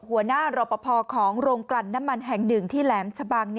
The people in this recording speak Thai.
หัวหน้ารอบพพอของโรงกลันน้ำมันแห่งหนึ่งที่แหลมชะบัง